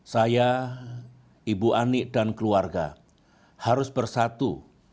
saya ibu ani dan keluarga harus bersatu